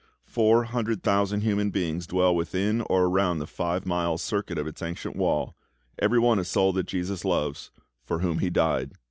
Four hundred thousand human beings dwell within or around the five miles circuit of its ancient wall, every one a soul that JESUS loves, for whom He died.